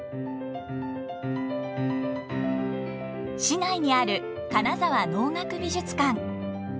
市内にある金沢能楽美術館。